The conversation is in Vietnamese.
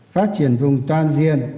phát triển vùng toàn diện